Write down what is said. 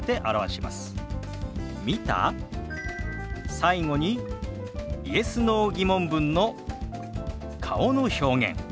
最後にＹｅｓ／Ｎｏ−疑問文の顔の表現。